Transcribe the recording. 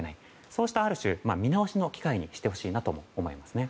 そうしたある種、見直しの機会にしてほしいなと思います。